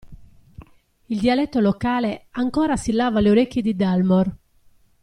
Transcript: Il dialetto locale ancora assillava le orecchie di Dalmor.